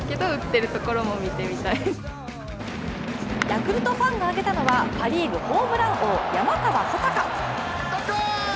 ヤクルトファンが挙げたのはパ・リーグ、ホームラン王、山川穂高。